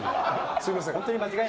すみません。